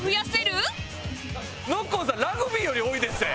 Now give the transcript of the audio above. ノッコンさんラグビーより多いでっせ！